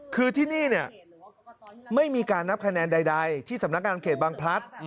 คือที่นี่เนี่ยไม่มีการนับคะแนนใดที่สำนักงานเขตบางพลัด